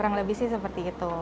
kurang lebih sih seperti itu